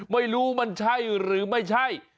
ไม่รู้มันใช่หรือไม่ใช่